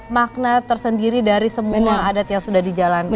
makna tersendiri dari semua adat yang sudah dijalankan